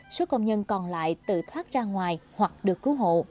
số công nhân còn lại tự thoát ra ngoài hoặc được cứu hộ